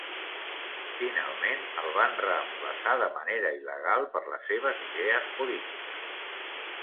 Finalment, el van reemplaçar de manera il·legal per les seves idees polítiques.